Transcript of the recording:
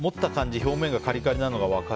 表面がカリカリなのが分かる。